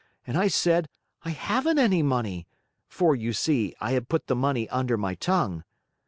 and I said, 'I haven't any money'; for, you see, I had put the money under my tongue.